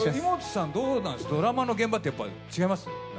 ドラマの現場ってやっぱり違います？